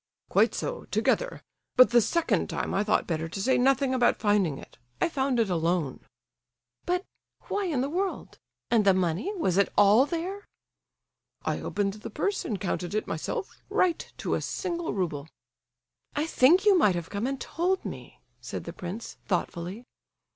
"Quite so—together! But the second time I thought better to say nothing about finding it. I found it alone." "But—why in the world—and the money? Was it all there?" "I opened the purse and counted it myself; right to a single rouble." "I think you might have come and told me," said the prince, thoughtfully.